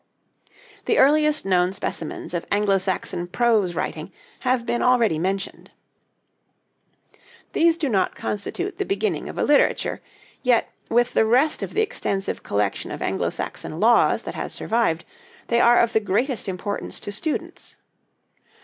The earliest known specimens of Anglo Saxon prose writing have been already mentioned. These do not constitute the beginning of a literature, yet, with the rest of the extensive collection of Anglo Saxon laws that has survived, they are of the greatest importance to students.